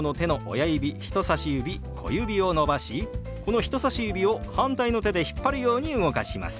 人さし指小指を伸ばしこの人さし指を反対の手で引っ張るように動かします。